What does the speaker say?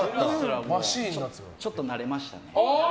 ちょっと慣れましたね。